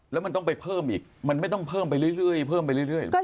แล้วมันต้องไปเพิ่มอีกมันไม่ต้องเพิ่มไปเรื่อย